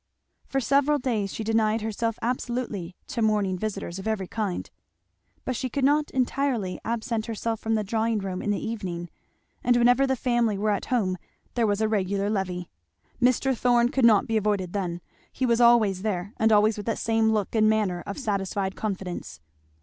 For several days she denied herself absolutely to morning visitors of every kind. But she could not entirely absent herself from the drawing room in the evening; and whenever the family were at home there was a regular levee. Mr. Thorn could not be avoided then. He was always there, and always with that same look and manner of satisfied confidence.